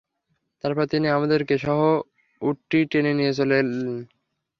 তারপর তিনি আমাদেরকে সহ উটটি টেনে নিয়ে চললেন।